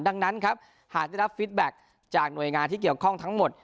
ดังนั้นครับหากได้รับฟิตแบ็คจากหน่วยงานที่เกี่ยวข้องทั้งหมด